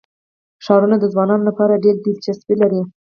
ښارونه د ځوانانو لپاره ډېره دلچسپي لري.